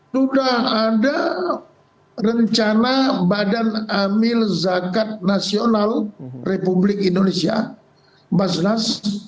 sudah ada rencana badan amil zakat nasional republik indonesia basnas